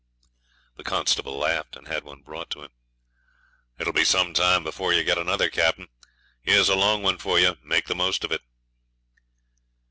The constable laughed, and had one brought to him. 'It will be some time before you get another, captain. Here's a long one for you; make the most of it.'